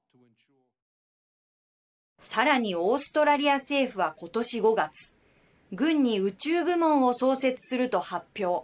さらにオーストラリア政府はことし５月軍に宇宙部門を創設すると発表。